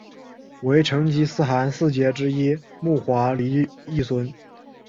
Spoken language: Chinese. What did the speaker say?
为成吉思汗四杰之一木华黎裔孙。